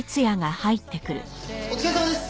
お疲れさまです！